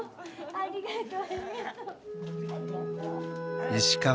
ありがとう。